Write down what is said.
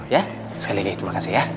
ya sekali lagi terima kasih ya